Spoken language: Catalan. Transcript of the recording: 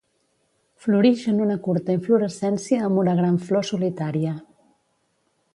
Florix en una curta inflorescència amb una gran flor solitària.